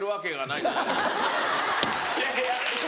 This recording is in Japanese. いやいや。